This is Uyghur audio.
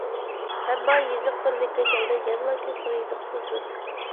ئەمما يېزىق بىرلىككە كەلمەي يەنىلا كۆپ خىل يېزىق ئىشلىتىلدى.